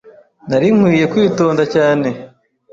Nari nkwiye kwitonda cyane.